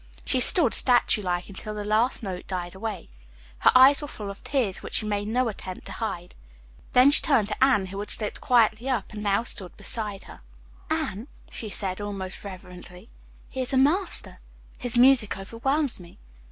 She stood, statue like, until the last note died away. Her eyes were full of tears, which she made no attempt to hide. Then she turned to Anne, who had slipped quietly up and now stood beside her: "Anne," she said almost reverently, "he is a master. His music overwhelms me.